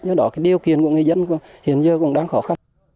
do đó cái điều kiện của người dân hiện giờ cũng đang khó khăn